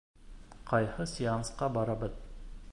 Ҡайһы сеансҡа барабыҙ?